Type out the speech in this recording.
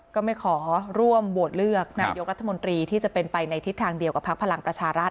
ก็ไม่ขอร่วมโหวตเลือกนายกรัฐมนตรีที่จะเป็นไปในทิศทางเดียวกับพักพลังประชารัฐ